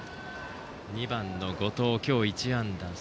２番の後藤、今日は１安打。